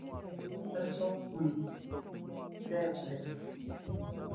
Án tɔ bhwe bhlɛbhlɛ.